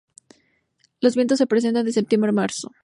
Los vientos se presentan de septiembre a marzo.